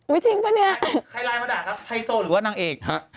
รู้จริงปะเนี่ยใครไลมด่าครับไฮโซหรือว่านางเอก๖๐๐